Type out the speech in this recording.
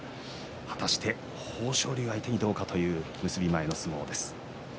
果たして豊昇龍相手にどうかという結び前の相撲です。